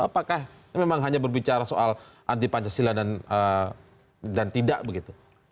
apakah memang hanya berbicara soal anti pancasila dan tidak begitu